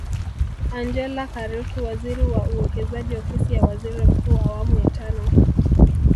Angellah Kairuki waziri wa Uwekezaji Ofisi ya Waziri mkuu awamu ya tano